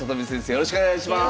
よろしくお願いします。